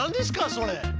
それ。